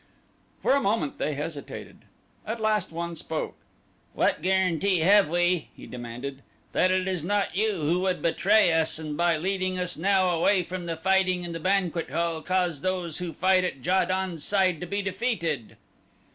For a moment they hesitated. At last one spoke. "What guarantee have we," he demanded, "that it is not you who would betray us and by leading us now away from the fighting in the banquet hall cause those who fight at Ja don's side to be defeated?"